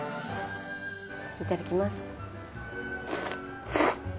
いただきます。